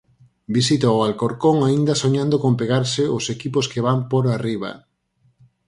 Visita ao Alcorcón aínda soñando con pegarse os equipos que van por arriba.